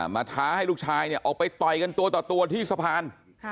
ท้าให้ลูกชายออกไปต่อยกันตัวต่อตัวที่สะพาน